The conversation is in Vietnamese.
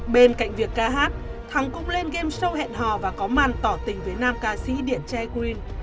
bên cạnh việc ca hát thắng cũng lên game show hẹn hò và có màn tỏ tình với nam ca sĩ điện che green